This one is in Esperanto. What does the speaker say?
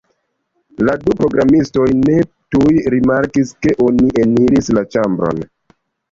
La du programistoj ne tuj rimarkis, ke oni eniris la ĉambron.